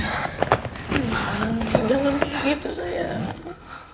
jangan begitu sayang